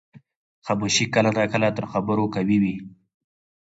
خاموشي کله ناکله تر خبرو قوي وي.